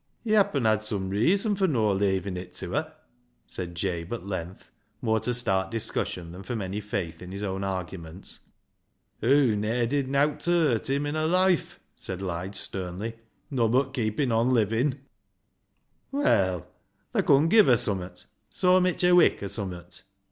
He happen hed some reeason fur no' leeavin' it to her," said Jabe at length, more to start LIGE'S LEGACY 179 discussion than from any faith in his own argument. " Hog ne'er did nowt ta hurt him in her loife," said Lige sternly, " nobbut keepin' on livin'." " Well, thaa con give her summat — soa mitch a vvik, or summat."